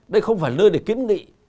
đây không phải là nơi để kiếm nghị